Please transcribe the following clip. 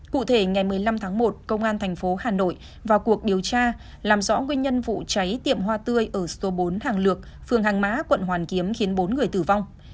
cụ thể ngày một mươi năm tháng một công an thành phố hà nội vào cuộc điều tra làm rõ nguyên nhân vụ cháy tiệm hoa tươi ở số bốn hàng lược phường hàng mã quận hoàn kiếm khiến bốn người tử vong